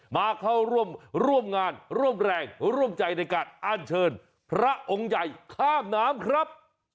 มาเข้าร่วมงานร่วมแรงร่วมใจในการอ้านเชิญพระองค์ใหญ่ข้ามน้ำครับ